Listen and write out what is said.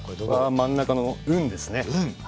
真ん中の「運」ですね。